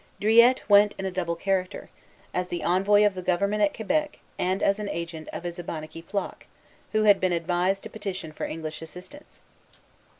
Druilletes went in a double character, as an envoy of the government at Quebec, and as an agent of his Abenaqui flock, who had been advised to petition for English assistance.